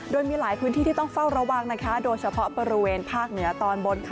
โดยมีหลายพื้นที่ที่ต้องเฝ้าระวังโดยเฉพาะบริเวณภาคเหนือตอนบน